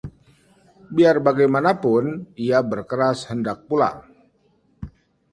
biar bagaimanapun, ia berkeras hendak pulang